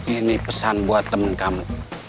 ini pesan buat temen kamu